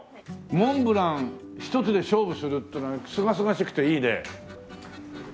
モンブランひとつで勝負するっていうのはすがすがしくていいね。